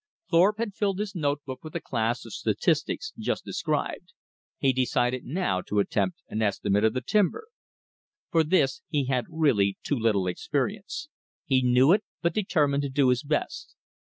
Thorpe had filled his note book with the class of statistics just described. He decided now to attempt an estimate of the timber. For this he had really too little experience. He knew it, but determined to do his best.